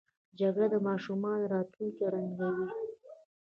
جګړه د ماشومانو راتلونکی ړنګوي